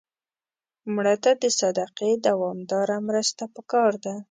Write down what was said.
مړه ته د صدقې دوامداره مرسته پکار ده